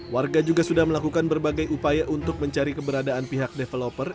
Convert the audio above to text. warga juga sudah melakukan berbagai upaya untuk mencari keberadaan pihak developer